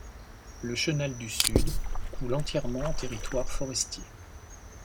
Le chenal du Sud coule entièrement en territoire forestier.